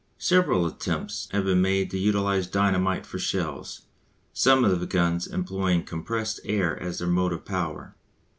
Several attempts have been made to utilise dynamite for shells, some of the guns employing compressed air as their motive power.